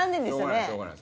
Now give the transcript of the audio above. しょうがない。